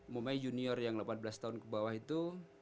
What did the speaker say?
mumai junior yang delapan belas tahun ke bawah itu